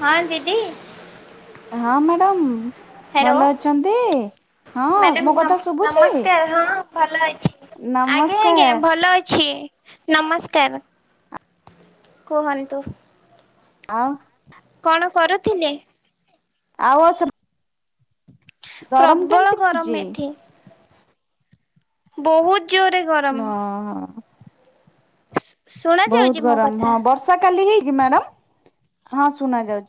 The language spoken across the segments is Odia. ହଁ ଦିଦି। ହଁ ମ୍ୟାଡ଼ାମ ହ୍ୟାଲୋ ଭଲ ଅଛନ୍ତି ହଁ ମ୍ୟାଡ଼ାମ ମୋ ନମ କଥା ଶୁଭୁଚି। ନମସ୍କାର ହଁ ଭଲ ଅଛି ଆଜ୍ଞା ଆଜ୍ଞା ଭଲ ଅଛି। ନମସ୍କାର କୁହନ୍ତୁ। ଆ। କଣ କରୁଥିଲେ? ଆଉ ଅ ପ୍ରବଳ କେମିତି ହଉଛି? ଗରମ ଏଠି। ବହୁତ ଜୋରେ ନା ହଁ। ଶୁଣା ଯାଉଛି ବହୁତ ମୋ ଗରମ କଥା? ହଁ ବର୍ଷା କାଲି ହେଇଚି ମ୍ୟାଡାମ ହଁ ଶୁନା ଯାଉଚି।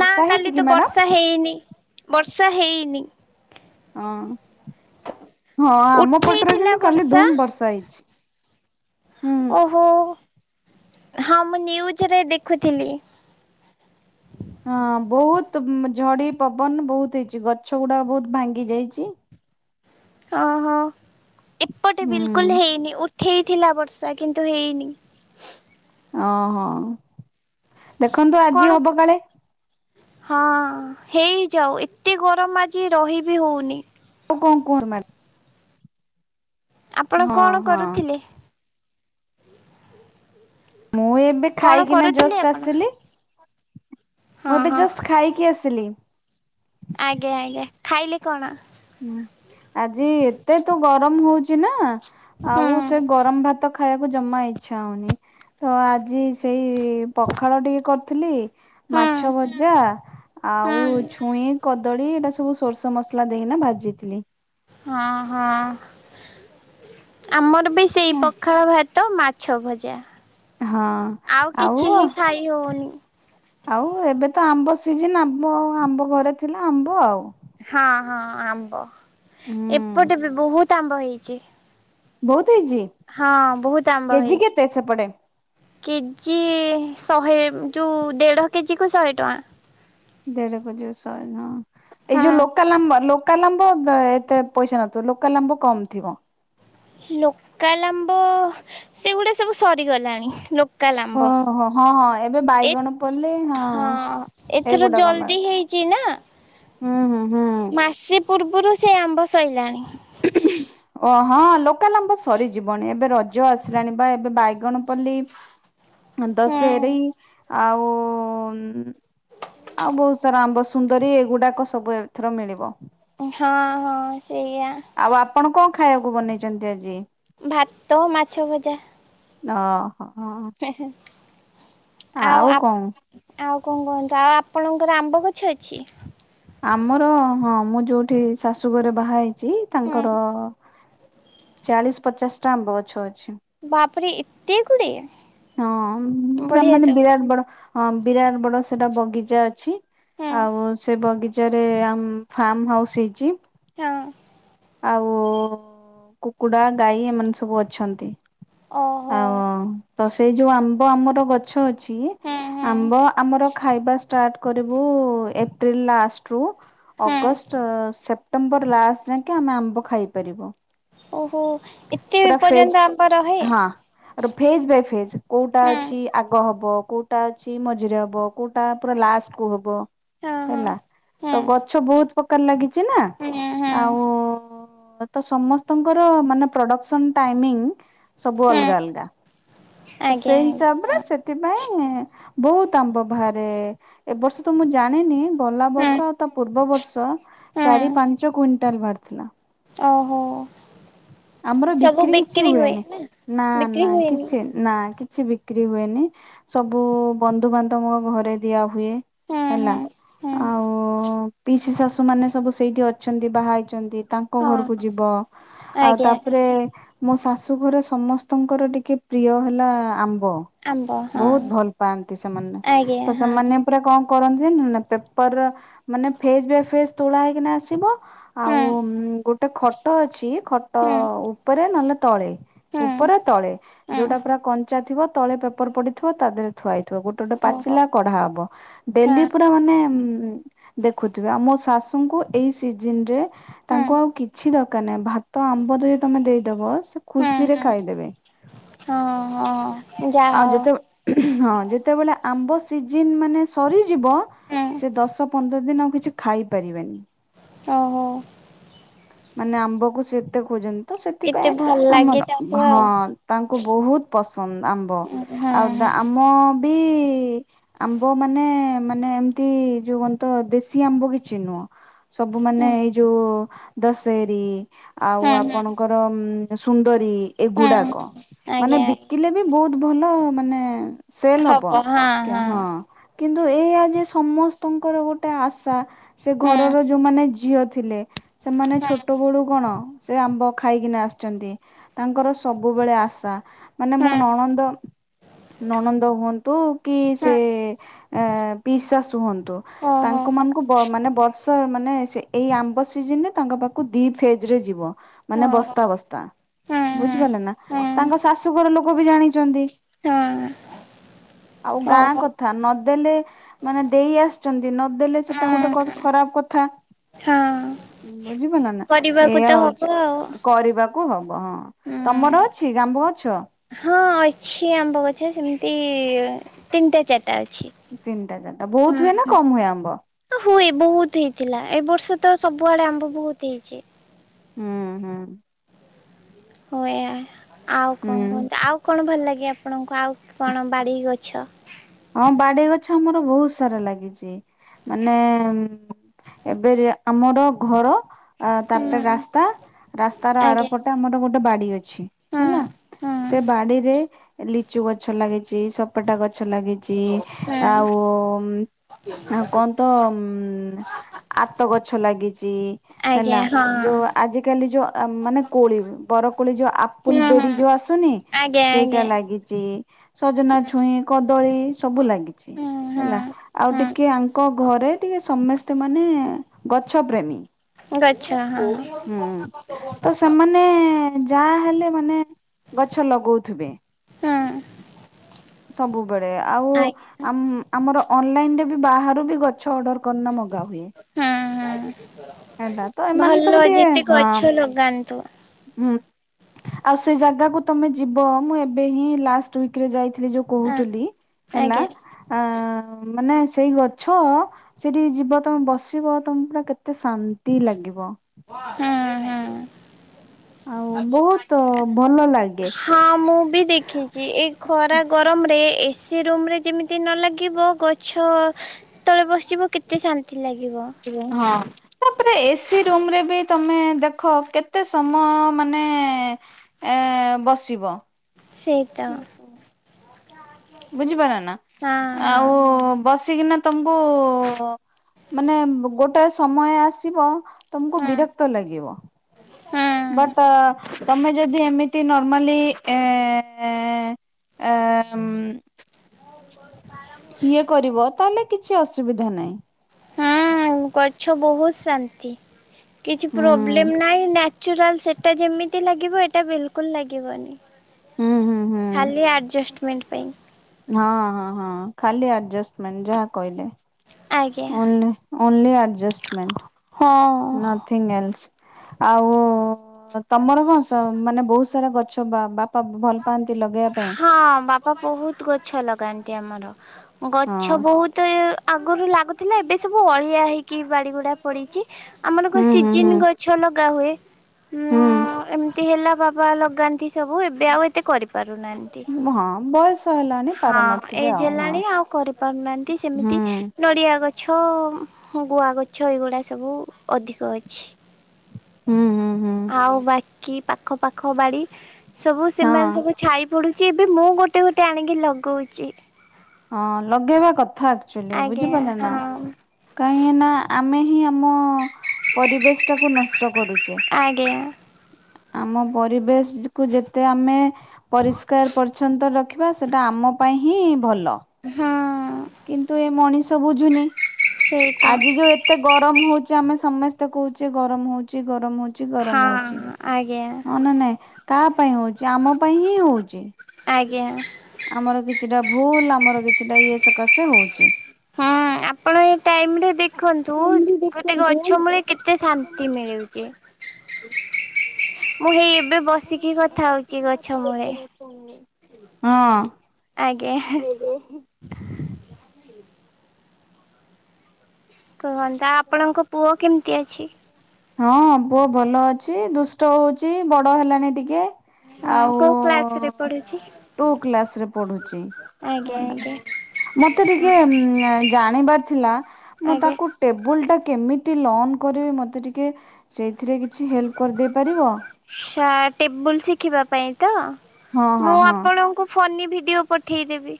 ନା କାଲି ତ ବର୍ଷା ହେଇନି ବର୍ଷା ହେଇନି। ହଁ ହଁ ଆମ ପଟରେ ଉଠେଇଥିଲା କିନ୍ତୁ କାଲି ବର୍ଷା ଧୁମ୍ ବର୍ଷା ହେଇଛି। ହୁଁ ଓହୋ ହଁ ମୁଁ ନ୍ୟୁଜରେ ଦେଖୁଥିଲି। ହଁ ବହୁତ ଝଡି ପବନ ବହୁତ ହେଇଛି ଗଛ ଗୁଡାକ ବହୁତ ଭାଙ୍ଗି ଯାଇଛି। ଓହୋ ଏପଟେ ହୁଁ ବିଲକୁଲ ହେଇନି ଉଠେଇଥିଲା ବର୍ଷା କିନ୍ତୁ ହେଇନି। ଓହୋ ଦେଖନ୍ତୁ ଆଜି କଣ ହବ କାଳେ ହଁ ହେଇଯାଉ ଏତେ ଗରମ ଆଜି ରହିିବି ହେଉନି। ଆଉ କଣ କୁହନ୍ତୁ ମା ଆପଣ ମ୍ୟାଡାମ ହଁ କଣ ହଁ। କରୁଥିଲେ? ମୁଁ ଏବେ କଣ ଖାଇକିନା କରୁଥିଲେ ଜଷ୍ଟ ଆପଣ? ଆସିଲି। ମୁଁ ହଁ ଏବେ ହଁ ଜଷ୍ଟ ଖାଇକି ଆସିଲି। ଆଜ୍ଞା ଆଜ୍ଞା ଖାଇଲେ କଣ? ହୁଁ ଆଜି ଏତେ ତୁ ଗରମ ହଉଚ ନା ହୁଁ ଆଉ ସେ ଗରମ ଭାତ ଖାଇବାକୁ ଜମା ଇଚ୍ଛା ହଉନି। ତ ଆଜି ସେଇ ପଖାଳ ଟିକେ କରିଥିଲି ହୁଁ ମାଛ ଭଜା ହୁଁ ଆଉ ଛୁଇଁ କଦଳୀ ଏଇଟା ସବୁ ସୋରିଷ ମସଲା ଦେଇକିନା ଭାଜିଥିଲି। ହଁ ହଁ ଆମର ବି ସେଇ ହଁ ପଖାଳ ଭାତ ମା ଛଅ ଭଜା ଆଉ କିଛି ହିଁ ଖାଇ ହଉନି। ଆଉ ଏବେ ତ ଆମ୍ବ ସିଜିନ୍ ଆମ୍ବ ଆମ୍ବ ଘରେ ଥିଲା ଆମ୍ବ ଆଉ। ହଁ ହଁ ଆମ୍ବ ହୁଁ ଏପଟେ ବି ବହୁତ ଆମ୍ବ ହେଇଛି। ବହୁତ ହେଇଛି। ହଁ ବହୁତ ଆମ୍ବ କେଜି କେତେ ହେଇଛି। ସେପଟେ? କେଜି ଶହେ ଯୋଉ ଦେଢ କେଜି କୁ ଶହେ ଟଙ୍କା। ଦେଢ କେଜିକୁ ସହେ ହଁ ଏଇ ଯୋଉ ହଁ ଲୋକାଲ ଆମ୍ବ ଲୋ କାଲ ଆମ୍ବ ଦେ ଏତେ ପଇସା ନଥିବ ଲୋକାଲ ଆମ୍ବ କମ ଥିବ। ଲୋକାଲ ଆମ୍ବ ସେଗୁଡା ସବୁ ସରିଗଲାଣି ଲୋ କାଲ ଆମ୍ବ ଓହୋ ହଁ ହଁ ଏବେ ଏ ବାଇଗଣ ପଲ୍ଲି ହଁ ଏଥର ଏଇଗୁଡାକ ଜଲଦି ମିଳୁଥିବ। ହେଇ ଚିନା ହୁଁ ହୁଁ ହୁଁ। ମାସେ ପୂର୍ବରୁ ସେ ଆମ୍ବ ସଇଲାଣି। [inaudible] ଓ ହଁ ଲୋକାଲ ଆମ୍ବ ସରିଯିବଣୀ ଏବେ ରଜ ଆସିଲାଣି ବା ଏବେ ବାଇଗଣ ପଲ୍ଲୀ [inaudible] ହଁ ଦସେରି ହୁଁ। ଆଉ ଆଉ ବହୁତ ସାରା ଆମ୍ବ ସୁନ୍ଦରୀ ଏଗୁଡ଼ାକ ସବୁ ଏଥର ମିଳିବ। ହଁ ହଁ ସେଇଆ। ଆଉ ଆପଣ କଂ ଖାଇବାକୁ ବନେଇଛନ୍ତି ଆଜି। ଭାତ ମାଛ ଭଜା। ଓହୋ ହଁ। ଆଉ ଆ କଣ? ଆଉ କଂ କୁହନ୍ତୁ ଆଉ ଆପଣଙ୍କର ଆମ୍ବ ଗଛ ଅଛି। ଆମର ହଁ ମୁଁ ଯୋଉଠି ଶାଶୁଘରେ ବାହା ହେଇଛି ତାଙ୍କର ହୁଁ ଚାଳିଶି ପଚାଶ ଟା ଆମ୍ବ ଗଛ ଅଛି। ବାପରେ ଏତେ ଗୁଡ଼େ। ହଁ ପୁରା ମାନେ ବିରାଟ ବଡ ହଁ ବିରାଟ ବଡ ସେଟା ବଗିଚା ଅଛି। ହୁଁ ଆଉ ସେ ବଗିଚା ରେ ଆମ୍ ଫାର୍ମ ହାଉସ ହେଇଛି। [inaudible] ଆଉ କୁକୁଡ଼ା ଗାଈ ଏମାନେ ସବୁ ଅଛନ୍ତି। ଓହୋ। ଆଉ ତ ସେଇ ଯୋଉ ଆମ୍ବ ଆମର ଗଛ ଅଛି ହୁଁ ହୁଁ ଆମ୍ବ ଆମର ଖାଇବା ଷ୍ଟାର୍ଟ କରିବୁ ଏପ୍ରିଲ ଲାଷ୍ଟ ରୁ ହୁଁ ଅଗଷ୍ଟ ସେପ୍ଟେମ୍ବର ଲାଷ୍ଟ ଯାଙ୍କେ ଆମେ ଆମ୍ବ ଖାଇପାରିବୁ। ଓହୋ ଏତେ ପର୍ଯ୍ୟନ୍ତ ଆମ୍ବ ରହେ। ଆର ଫେଜ ବାଇ ଫେଜ କୋଉଟା ହୁଁ। ଅଛି ଆଗ ହବ କୋଉଟା ଅଛି ମଝିରେ ହବ। କୋଉଟା ପୁରା ଲାଷ୍ଟ କୁ ହବ। ହଁ ହଁ। ହେଲା ତ ହଁ ଗଛ ବହୁତ ପ୍ରକାର ଲାଗିଛି ନା ହଁ ହଁ ଆଉ ସ ତ ସମସ୍ତଙ୍କର ମାନେ ପ୍ରଡକ୍ସନ ଟାଇମିଂ ସବୁ ହଁ ଅଲଗା ଅଲଗା। ତ ଆଜ୍ଞା ସେଇ ହିସାବରେ ଆଜ୍ଞା ସେ ଥିପାଇଁ ବହୁତ ଆମ୍ବ ବାହାରେ ଏ ବର୍ଷ ତ ମୁଁ ଜାଣିନି ଗଲା ହଁ ବର୍ଷ ଆଉ ତା ପୂର୍ବ ବର୍ଷ ହଁ ଚାରି ହଁ। ପାଞ୍ଚ କୁଇଣ୍ଟାଲ ବାହାରି ଥିଲା। ଓହୋ। ଆମର ବିକ୍ରି କିଛି ହୁଏନି ନା ନା କିଛିି ହୁଏନି। ନା କିଛି ବିକ୍ରି ହୁଏନି। ସବୁ ବନ୍ଧୁବାନ୍ଧବଙ୍କ ଘରେ ଦିଆ ହୁଏ ହୁଁ ହୁଁ। ହେଲା। ହୁଁ ଆଉ ପିଇସି ଶାଶୁ ମାନେ ସବୁ ସେଇଠି ଅଛନ୍ତି ବାହା ହେଇଛନ୍ତି ତାଙ୍କ ହଁ ଘରକୁ ଯିବ। ଆଜ୍ଞା ପରେ ଆଜ୍ଞା ମୋ ଶାଶୁ ଘରେ ସମସ୍ତଙ୍କର ଟିକେ ପ୍ରିୟ ହେଲା ଆମ୍ବ। ଆମ୍ବ ବହୁତ ହଁ ଭଲ ପାଆନ୍ତି ସେମାନେ। ଆଜ୍ଞା ତ ହଁ ସେମାନେ ପୁରା କଣ କରନ୍ତି ଜାଣିଛନ୍ତି ନା। ପେପର ମାନେ ଫେଜ ବାଇ ଫେଜ ତୋଳା ହେଇକିନା ଆସିବ ହଁ। ଆଉ ଗୋଟେ ଖଟ ଅଛି ଖଟ ହୁଁ ଉପରେ ନହେଲେ ତଳେ। ହୁଁ ହୁଁ ଉପରେ ତଳେ ଯୋଉଟା ପୁରା କଞ୍ଚା ଥିବ ତଳେ ପେପର ପଡିଥିବ ତା ଦେହରେ ଥୁଆହୋଇଥିବ ଗୋଟେ ଟ ଗୋଟେ ଓହୋ ପାଚିଲା କଢା ହବ। ହଁ ଡେଲି ପୁରା ମାନେ ଦେଖୁଥିବେ, ଆଉ ମୋ ଶାଶୁଙ୍କୁ ଏଇ ସିଜିନ ରେ ହଁ। ତାଙ୍କୁ ଆଉ କିଛି ଦରକାର ନାହିଁ ଭାତ୍ ତ ଆମ୍ବ ଯଦି ତମେ ଦେଇଦବ ସେ ହୁଁ ଖୁସିରେ ହୁଁ ଖାଇଦେବେ। ହଁ ହଁ। ଯା ଆଉ ହଉ ଯେତେବେ ହଁ ଯେତେବେଳେ ଆମ୍ବ ସିଜନ ମାନେ ସରିଯିବ ହୁଁ ସେ ଦଶ ପନ୍ଦର ଦିନ ଆଉ କିଛି ଖାଇପାରିବେନି। ଓହୋ। ମାନେ ଆମ୍ବକୁ ସେ ଏତେ ଖୋଜନ୍ତି ତ ଏତେ ସେଥିପାଇଁ ଭଲ ଲାଗେ ଆମର ତାଙ୍କୁ ହଁ ଆଉ ତାଙ୍କୁ ବହୁତ ପସନ୍ଦ ଆମ୍ବ ହଁ ଆଉ ହଁ। ଆମ ବି ଆମ୍ବ ମାନେ ମାନେ ଏମତି ଯୋଉ କଣ ତ ଦେଶୀ ଆମ୍ବ କିଛି ନୁହଁ। ସବୁ ମାନେ ହୁଁ ଏଇ ଯୋଉ ଦଶହେରୀ ଆଉ ହୁଁ ହୁଁ ଆପଣଙ୍କର ସୁନ୍ଦରୀ ଆଜ୍ଞା ଏଗୁଡାକ। ମାନେ ଆଜ୍ଞା। ବିକିଲେ ବି ବହୁତ ଭଲ ମାନେ ସେଲ ହବ ହଁ। କିନ୍ତୁ ଏଇଆ ଯେ ସମସ୍ତଙ୍କର ଗୋଟେ ଆଶା। ସେ ଘରର ଯୋଉମାନେ ଝିଅ ଥିଲେ ସେମାନେ ଛୋଟ ବେଳୁ କଣ ସେ ଆମ୍ବ ଖାଇକିନା ଆସିଛନ୍ତି ତାଙ୍କର ସବୁବେଳେ ଆଶା। ହୁଁ ମାନେ ହୁଁ ମୋ ହୁଁ ନଣନ୍ଦ ନଣନ୍ଦ ହୁଅନ୍ତୁ କି ସେ ହୁଁ ପିଇସି ଶାଶୁ ହୁଅନ୍ତୁ। ଓହୋ ତାଙ୍କ ମାନଙ୍କୁ ବ ମାନେ ବର୍ଷ ମାନେ ସି ଏଇ ଆମ୍ବ ସିଜନରେ ତାଙ୍କ ପାଖକୁ ଦି ଫେଜ ରେ ଯିବ ମାନେ ଓହୋ ବସ୍ତା ବସ୍ତା। ହୁଁ ବୁଝିପାରିଲେ ନା ହୁଁ ହୁଁ ତାଙ୍କ ଶାଶୁଘର ଲୋକ ବି ଜାଣିଛନ୍ତି। ହଁ। ଆଉ ଗାଁ ଓହୋ କଥା ଥା ନଦେଲେ ମାନେ ଦେଇ ଆସିଛନ୍ତି ନଦେଲେ ସେଟା ଗୋଟେ କ ହୁଁ ଖରାପ କଥା। ହଁ ବୁଝିପାରିଲେ ନା କରିବାକୁ ଏଇୟ ତ ହବ ହଉଛି ଆଉ କରିବା। କୁ ହବ ହଁ। ହୁଁ ତମର ଅଛି ଗାମ୍ବ ଗଛ? ହଁ ଅଛି ଆମ୍ବ ଗଛ ସେମିତି ତିନିଟା ଚାରିଟା ଅଛି। ତିନିଟା ଚାରିଟା ହୁଁ ବହୁତ ହୁଏ ନା ହୁଁ କମ ହୁଏ ଆମ୍ବ? ହୁଏ ବହୁତ ହେଇଥିଲା। ଏ ବର୍ଷ ତ ସବୁଆଡେ ଆମ୍ବ ବହୁତ ହେଇଛି। ହୁଁ ହୁଁ। ହୁଏ ଆଉ କଣ ହୁଁ କୁହନ୍ତି ଆଉ କଣ ଭଲ ଲାଗେ ଆପଣଙ୍କୁ ଆଉ କଣ ବାଡ଼ି ଗଛ? ହଁ ବାଡି ଗଛ ଆମର ବହୁତ ସାରା ଲାଗିଛି। ମାନେ ଏବେ ରୀଆ ଆମର ଘର ଅ ତାପରେ ହୁଁ ରାସ୍ତା ରାସ୍ତାର ଆଜ୍ଞା ଆରପଟେ ଆମର ଗୋଟେ ବାଡି ଅଛି। ଛି ହୁଁ ହେଲା ହୁଁ ସେ ବାଡିରେ ଲିଚୁ ଗଛ ଲାଗିଛି ସପଟା ଗଛ ଲାଗିଛି। ହୁଁ ଆଉ ଆ କ ତ ଉଁ ଆତ ଗଛ ଲାଗିଚି ହେଲା ଆଜ୍ଞା ହଁ ଯୋଉ ଆଜିକାଲି ଯୋଉ ମାନେ କୋଳି ବର କୋଳି ଯୋଉ ଆ ହୁଁ ଫୁଲବେରୀ ହୁଁ ଯୋଉ ଆସୁନି ଆଜ୍ଞା ସେଇଟା ଆଜ୍ଞା ଲାଗିଚି ସଜନା ଛୁଇଁ କଦଳୀ ସବୁ ଲାଗିଚି ହୁଁ ହଁ ହେଲା। ଆଉ ଟିକେ ହଁ ଆଙ୍କ ଘରେ ଟିକେ ସମସ୍ତେ ମାନେ ଗଛ ପ୍ରେମୀ। ଗଛ ହଁ। ହୁଁ ତସେମାନେ ଯାହା ହେଲେ ମାନେ ଗଛ ଲଗଉଥିବେ। ହଁ ସବୁବେଳେ ଆଉ ଆଜ୍ଞା ଆମ୍ ଆମର ଅନଲାଇନରେବି ବାହାରୁବି ଗଛ ଅର୍ଡ଼ର କରିନ ମଗା ହୁଏ। ହଁ ହଁ ହେଲା ତଏମାନେ ଭଲ ସବୁ ଟିକେ ଯେତେ ହଁ। ଗଛ ଲଗାନ୍ତୁ ହୁଁ ଆଉ ସେଇ ଜାଗାକୁ ତମେ ଯିବ ମୁଁ ଏବେହିଁ ଲାଷ୍ଟ ୱିକରେ ଯାଇଥି ଏଯୋଉ ହଁ କହୁଥିଲି ହେଲା ଆଜ୍ଞା ଆ ମାନେ ସେଇ ଗଛ ସେଠିକି ଯିବ ତମେ ବସିବ ତମକୁ ପୁରା କେତେ ଶାନ୍ତି ଲାଗିବ। ହୁଁ ହୁଁ ଆଉ ବହୁତ୍ ଭଲ ଲାଗେ। ମୁଁବି ଦେଖିଚି ଏଖରା ଗରମରେ ଏସି ରୁମ୍ରରେ ଯେମିତି ନଲାଗିବ ଗଛ ତଳେ ବସିବ କେତେ ଶାନ୍ତି ଲାଗିବ। ହଁ। ତାପରେ ଏସି ରୁମରେବି ତମେ ଦେଖ କେତେ ସମୟ ମାନେ ଏ ବସିବ। ସେଇତ। ବୁଝିପାରିଲନା ହଁ ଆଉ ହଁ ବସିକିନା ତମକୁ ମାନେ ଗୋଟେ ସମୟ ଆସିବ ତମକୁ ବିରକ୍ତ ଲାଗିବ। ହୁଁ। ବଟ୍ ତମେ ଯଦି ଏମିତି ନର୍ମାଲି ଏ ଏ ଆ ମ୍ [unintelligible] ସିଏ କରିବ ତାହେଲେ କିଛି ଅସୁବିଧା ନାହିଁ। ହୁଁ ଗଛ ବହୁତ୍ ଶାନ୍ତି କିଛି ହୁଁ ପ୍ରୋବ୍ଲେମ୍ ନାଇଁଚୁରାଲ ସେ ଟା ଯେମିତି ଲାଗିବ ଏଟା ବିଲିକୁଲ୍ ଲାଗିବନି। ହୁଁ ହୁଁ ହୁଁ ଖାଲି ଆଡଜଷ୍ଟମେଣ୍ଟ ପାଇଁ। ହଁ ହଁ ହଁ ଖାଲି ଆଡ଼ଜଷ୍ଟମେଣ୍ଟ ଯାହା କହିଲେ। ଆଜ୍ଞା। ଓନ୍ଲି ଓନ୍ଲି ଆଡଜଷ୍ଟମେଣ୍ଟ ହଁ। ନଥ୍ ଥ୍ଗିଲେନ୍ସ୍ ଆଉ ତମର କଣ ସ ମାନେ ବହୁତ୍ ସାରା ଗଛ ବା ବା ପା ଭଲ ପାଆନ୍ତି ଲଗେଇବା ପାଇଁ। ହଁ ବାପା ବହୁତ୍ ଗଛ ଲଗାନ୍ତି ଆମର ଗଛ ହଁ ବହୁତ୍ ଆଗରୁ ଲାଗୁଥିଲା ଏବେ ସବୁ ଅଳିଆ ହେଇକି ବାଡ଼ିଗୁଡ଼ା ପଡ଼ିଚି। ଆମର କଣ ହୁଁ ସିଜିନ୍ ହୁଁ ଗଛ ଲଗା ହୁଏ ଉଁ ହୁଁ ଏ ଏମିତି ହେଲା ବାବା ଲଗାନ୍ତି ସବୁ ଏବେ ଆଉ ଏତେ କରିପାରୁନାହାନ୍ତି। ହଁ ବୟସ ହେଲାଣି ହଁ ପାରୁନଥିବେ ଏଜ୍ ଆଉ ହଁ। ହେଲାଣି ଆଉ କରିପାରୁନାହାନ୍ତି ହୁଁ ସେମିତି ନଡ଼ିଆ ଗ ଛ ଗୁଆ ଗଛ ଏଗୁଡ଼ା ସବୁ ଅଧିକ ଅଛି। ହୁଁ ହୁଁ ହୁଁ ଆଉ ବାକି ପାଖ ପାାଖ ବାଡ଼ି ସବୁ ହଁ। ସେମାନେ ସବୁ ଛାଇ ପଡ଼ୁଚି ଏବେ ମୁଁ ଗୋଟେ ଗୋଟେ ଆଣିକି ଲଗଉଚି। ହଁ ଲଗେଇବା କଥା ଆକ୍ଚୁଲି ଆଜ୍ଞା ବୁଝିପାରିଲେନା। ହଁ କାହିଁକି ନା ଆମେ ହିଁ ଆମ ପରିବେଶ ଟାକୁ ନଷ୍ଟ କରୁଛେ। ଆଜ୍ଞା। ଆମ ପରିବେଶ କୁ ଯେତେ ଆମେ ପରିଷ୍କାର ପରିଚ୍ଛନ୍ନ ତ ରଖିବା ସେଟା ଆମ ପାଇଁ ହିଁ ଭଲ। ହୁଁ। କିନ୍ତୁ ଏ ମଣିଷ ବୁଝୁନି ସେଇଟା। ଆଜି ଯୋଉ ଏତ୍ ଏତେ ଗରମ ହଉଚି ଆମେ ସମେସ୍ତେ କହୁଚେ ଗରମ ହଉଚ ଗରମ ହଉ ଚି ଗରମ ହଉଚି ହଁ ଆଜ୍ଞା ହଁ ନା ନାଇଁ କାହା ପାଇଁ ହଉଚି ଆମ ପାଇଁ ହିଁ ହଉଚି। ଆଜ୍ଞା। ଆମର କିଛିଟା ଭୁଲ୍ ଆମର କିଛିଟା ଇଏ ସକାଶେ ହଉଚି। ହଁ। ଆପଣ ଏ ଟାଇମ୍ ରେ ଦେଖନ୍ତୁ ଗୋଟେ ଗଛ ମୂଳେ କେତେ ଶାନ୍ତି ମିଳୁଚି। ମୁଁ ହେଇ ଏବେ ମୁଁ ହେଇ ବସିକି ଏଡେ କଥା ହଉଛି ବସିଚି ଗଛ ମୂଳେ। [inaudible] ଆଜ୍ଞା ହଁ। କୁହନ୍ତୁ ଆପଣଙ୍କ ପୁଅ କେମିତି ଅଛି? ହଁ ପୁଅ ଭଲ ଅଛି ଦୁଷ୍ଟ ହଉଛି ବଡ ହେଲଣିି ଟିକେ। ହଁ ଆଉ କୋଉ କ୍ଲାସ ରେ ପଢୁଛି? ଟୁ କ୍ଲାସ୍ ରେ ପଢୁଚି। ଆଜ୍ଞା ଆଜ୍ଞା ମତେ ଟିକେ ଉଁ ଜାଣିବାର ଥିଲା ମୁଁ ଆଜ୍ଞା। ତାକ୍ ଟେବୁଲ୍ ଟା କେମିତି ଲନ୍ କରିବି ମତେ ଟିକେ ସେଇଥିରେ କିଛି ହେଲ୍ପ୍ କରିଦେଇ ପାରିବ? ଆଛା ଟେବୁଲ୍ ଶିଖିବା ପାଇଁ ତ ହଁ ମୁଁ ହଁ ହଁ ଆପଣଙ୍କୁ। ଫନି ଭିଡିଓ ପଠେଇଦେବି।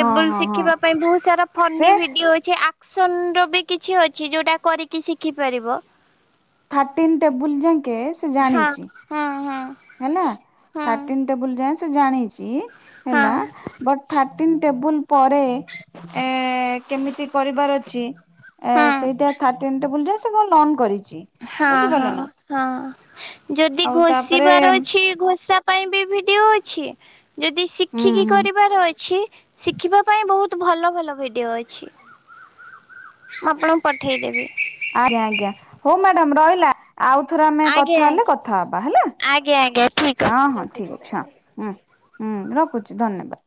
ହଁ ହଁ ହଁ। ଶିଖିବା ପାଇଁ ବହୁ ସାରା ସେ ଫନି ଭିଡିଓ ଅଛି ଆକ୍ ସୁନ୍ ର ବି କିଛି ଅଛି ଯୋଉଟା କରିକି ଶିଖି ପାରିବ। ଥାଟିନ ଟେବୁଲ୍ ଜାଙ୍କେ ସି ହଁ ହଁ ହଁ। ହେଲା ଥାଟିନ୍ ହଁ ଟେବୁଲ୍ ଯାଏ ସେ ଜାଣିଛି ହେଲା। ହଁ ବଟ୍ ଥାର୍ଟିନ୍ ଟେବୁଲ୍ ପରେ ଏଁ କେମିତି କରିବାର ଅଛି। ଏ ହଁ। ସେଇଟା ଥାର୍ଟିନ୍ ଟେବୁଲା ଯାଏ ସେ ପୁରା ଲନ୍ କରିଚି। ହଁ ହଁ ହଁ ଯଦି ଆଉ ତାପରେ ଘୋଷିବାର ଅଛି। ଘୋଷା ପାଇଁ ବି ଭିଡିଓ ଅଛି ଯଦି ହୁଁ ଶିଖିକି ହୁଁ କରିବାର ଅଛି। ଶିଖିବା ପାଇଁ ବହୁତ୍ ଭଲ ଭଲ ଭିଡ଼ିଓ ଅଛି। ମୁଁ ଆପଣଙ୍କୁ ପଠେଇଦେବି। ଆଜ୍ଞା ଆଜ୍ଞା ହଉ ମାଡମ୍ ରହିଲା ଆଉ ଥରେ ଆମେ ଆଜ୍ଞା କଥା ହେଲେ କଥା ହବା ହେଲା। ଆଜ୍ଞା ଆଜ୍ଞା ଆଜ୍ଞା ଠିକ ଅଛି ହଁ ହଁ ରଖୁଛି ଠିକ ବାଏ ଅଛି ହଁ ବାଏ। ହୁଁ ହୁଁ ରଖୁଛି ଧନ୍ୟବାଦ୍।